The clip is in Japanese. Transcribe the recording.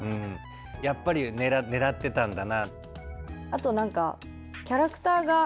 やっぱり狙ってたんだな。